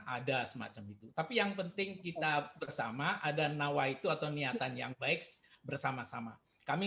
ada semacam itu tapi yang penting kita bersama ada nawaitu atau niatan yang baik bersama sama kami